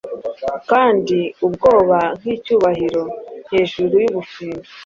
Kandi ubwoba nkicyubahiro, hejuru yubufindo